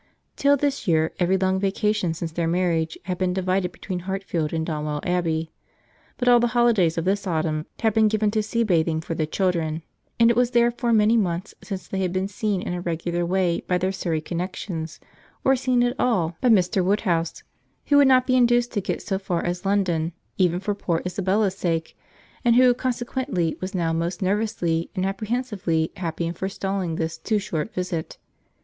Till this year, every long vacation since their marriage had been divided between Hartfield and Donwell Abbey; but all the holidays of this autumn had been given to sea bathing for the children, and it was therefore many months since they had been seen in a regular way by their Surry connexions, or seen at all by Mr. Woodhouse, who could not be induced to get so far as London, even for poor Isabella's sake; and who consequently was now most nervously and apprehensively happy in forestalling this too short visit.